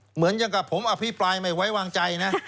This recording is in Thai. เหมือนอย่างกับผมอภิปรายไม่ไว้วางใจนะ